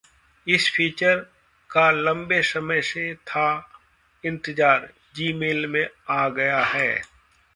इस फीचर का लंबे समय से था इंतजार, Gmail में आ गया है